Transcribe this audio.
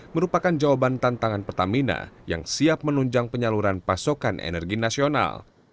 merupakan jawaban tantangan pertamina yang siap menunjang penyaluran pasokan energi nasional